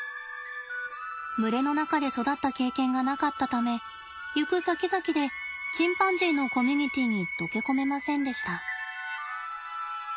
群れの中で育った経験がなかったため行くさきざきでチンパンジーのコミュニティーに溶け込めませんでした。